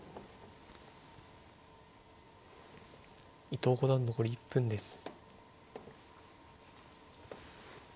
伊藤五段残り１分です。